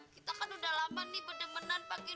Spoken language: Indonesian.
kau belikan hermanah